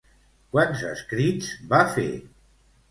Quants escrits va fer?